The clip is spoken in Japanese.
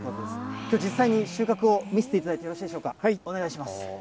きょう、実際に収穫を見せていただいてよろしいでしょうか、お願いします。